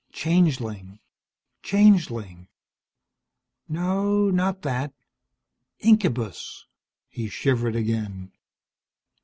Changeling, changeling No, not that. Incubus! He shivered again.